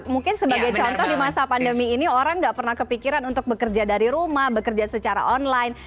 mungkin sebagai contoh di masa pandemi ini orang nggak pernah kepikiran untuk bekerja dari rumah bekerja secara online